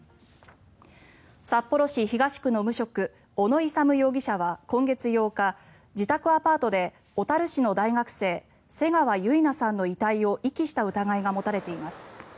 札幌市東区の無職小野勇容疑者は今月８日自宅アパートで小樽市の大学生瀬川結菜さんの遺体を遺棄した疑いが持たれています。